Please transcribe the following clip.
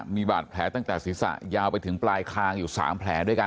มีบาดแผลตั้งแต่ศีรษะยาวไปถึงปลายคางอยู่๓แผลด้วยกัน